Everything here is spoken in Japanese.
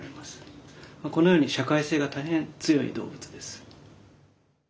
このように社会性が大変強い動物です。